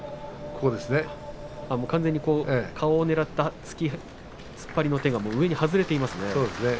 完全に顔をねらった突っ張りの手が上に外れていますね。